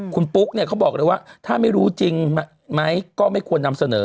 คุณปุ๊กเนี่ยเขาบอกเลยว่าถ้าไม่รู้จริงไหมก็ไม่ควรนำเสนอ